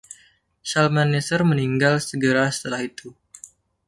Shalmaneser meninggal segera setelah itu.